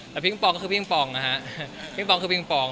แต่พี่ปิงปองก็คือปิงปองนะฮะพี่ปองคือปิงปอง